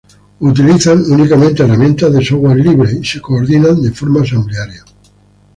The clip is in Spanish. Utilizan únicamente herramientas de software libre y se coordinan de forma asamblearia.